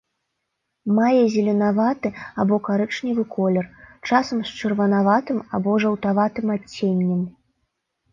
Мае зеленаваты або карычневы колер, часам з чырванаватым або жаўтаватым адценнем.